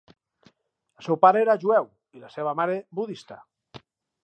El seu pare era jueu i la seva mare budista.